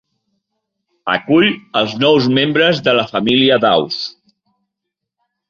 Acull els nous membres de la família d'aus.